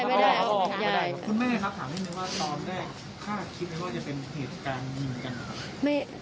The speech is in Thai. คุณแม่ครับถามให้นึงว่าตอนแรกคาดคิดเลยว่าจะเป็นเหตุการณ์ยิงไหมครับ